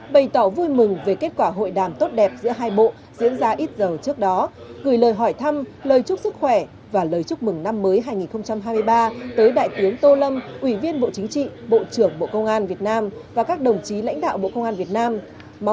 bày tỏ vui mừng về kết quả hội đàm tốt đẹp giữa hai bộ diễn ra ít giờ trước đó gửi lời hỏi thăm lời chúc sức khỏe và lời chúc mừng năm mới hai nghìn hai mươi ba tới đại tướng tô lâm ủy viên bộ chính trị bộ trưởng bộ công an việt nam và các đồng chí lãnh đạo bộ công an việt nam